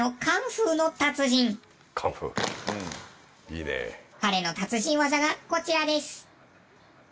彼の達人技がこちらです。